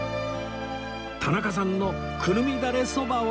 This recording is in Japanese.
田中さんの胡桃だれそばは？